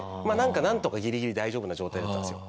なんとかギリギリ大丈夫な状態だったんですよ。